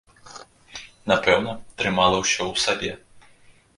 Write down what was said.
Напэўна, трымала ўсё ў сабе.